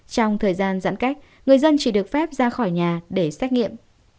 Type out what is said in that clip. trong thời gian giãn cách người dân chỉ được phép ra khỏi nhà để xét nghiệm